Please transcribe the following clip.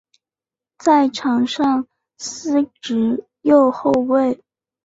在场上司职右后卫。